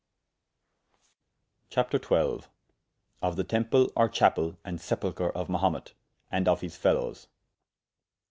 CHAPTER XII.Of the Temple or Chapell, and Sepulchre of Mahumet, and of his Felowes.